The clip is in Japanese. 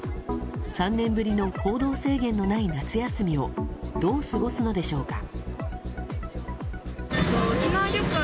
３年ぶりの行動制限のない夏休みをどう過ごすのでしょうか。